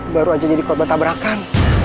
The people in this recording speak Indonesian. baru aja jadi korban tabrakan